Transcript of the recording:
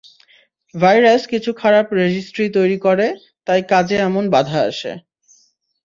Virus কিছু খারাপ registry তৈরি করে, তাই কাজে এমন বাধা আসে।